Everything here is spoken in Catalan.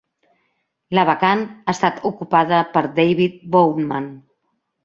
La vacant ha estat ocupada per David Bowman.